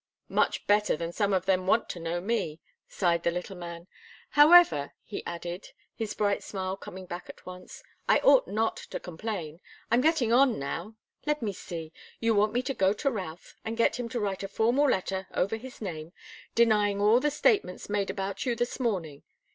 "Much better than some of them want to know me," sighed the little man. "However," he added, his bright smile coming back at once, "I ought not to complain. I'm getting on, now. Let me see. You want me to go to Routh and get him to write a formal letter over his name, denying all the statements made about you this morning.